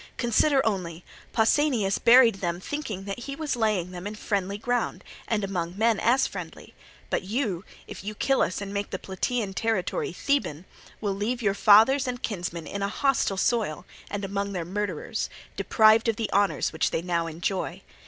Consider only: Pausanias buried them thinking that he was laying them in friendly ground and among men as friendly; but you, if you kill us and make the Plataean territory Theban, will leave your fathers and kinsmen in a hostile soil and among their murderers, deprived of the honours which they now enjoy.